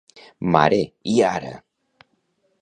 Mare, i ara!